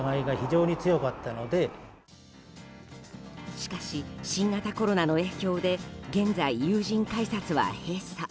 しかし、新型コロナの影響で現在、有人改札は閉鎖。